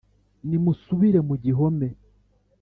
Nimusubire mu gihome